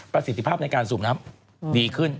สิทธิภาพในการสูบน้ำดีขึ้น